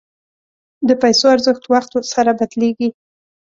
د پیسو ارزښت وخت سره بدلېږي.